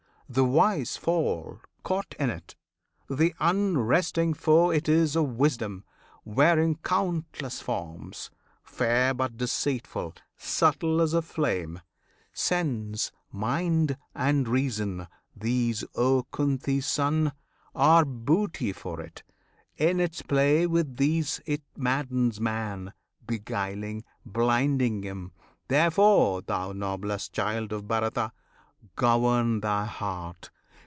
The wise fall, caught in it; the unresting foe It is of wisdom, wearing countless forms, Fair but deceitful, subtle as a flame. Sense, mind, and reason these, O Kunti's Son! Are booty for it; in its play with these It maddens man, beguiling, blinding him. Therefore, thou noblest child of Bharata! Govern thy heart!